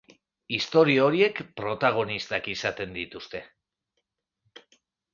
Istorio horiek protagonistak izaten dituzte.